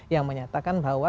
yang menyatakan bahwa